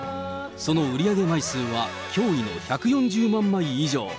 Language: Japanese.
その売り上げ枚数は驚異の１４０万枚以上。